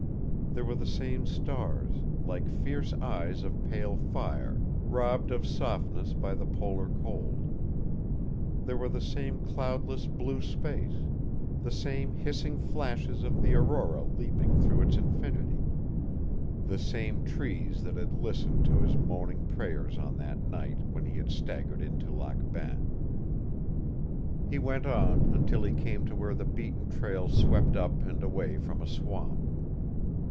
There were the same stars, like fierce eyes of pale fire, robbed of softness by the polar cold; there were the same cloudless blue space, the same hissing flashes of the aurora leaping through its infinity, the same trees that had listened to his moaning prayers on that night when he had staggered into Lac Bain. He went on until he came to where the beaten trail swept up and away from a swamp.